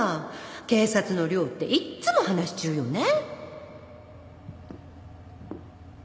「警察の寮っていっつも話し中よね」